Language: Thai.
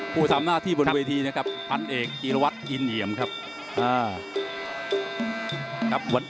ผู้ทำหน้าที่บนเวทีนะครับพันเอกจีรวัตรอินเหี่ยมครับ